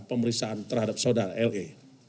pemeriksaan terhadap saudara le